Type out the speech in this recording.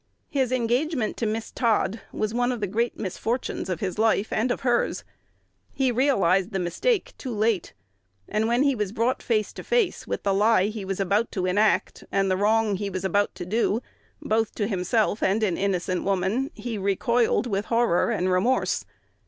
His engagement to Miss Todd was one of the great misfortunes of his life and of hers. He realized the mistake too late; and when he was brought face to face with the lie he was about to enact, and the wrong he was about to do, both to himself and an innocent woman, he recoiled with horror and remorse.